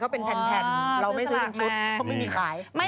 เค้าเป็นแผ่นเราไม่ซื้อเป็นชุด